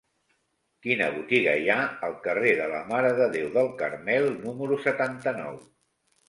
Quina botiga hi ha al carrer de la Mare de Déu del Carmel número setanta-nou?